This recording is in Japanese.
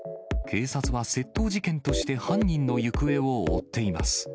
警察は窃盗事件として犯人の行方を追っています。